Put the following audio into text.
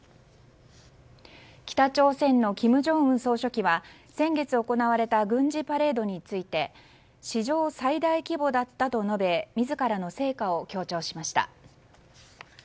北朝鮮の金正恩総書記は先月行われた軍事パレードについて史上最大規模だったと述べ自らの成果を強調しました。